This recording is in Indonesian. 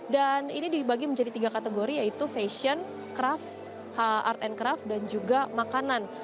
dan ini dibagi menjadi tiga kategori yaitu fashion craft art and fashion